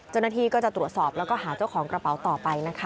เจ้าหน้าที่ก็จะตรวจสอบแล้วก็หาเจ้าของกระเป๋าต่อไปนะคะ